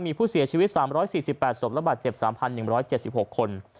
มีผู้เสียชีวิต๓๔๘ศพระบาดเจ็บ๓๑๗๖คน